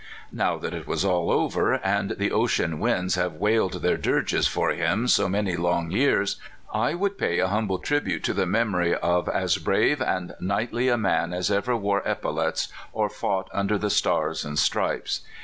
Now that it is all over, and the ocean winds have wailed their dirges for him so many long years, I would pay a humble tribute to the memory of as brave and knightly a man as ever wore epaulettes or fought under the stars and stripes.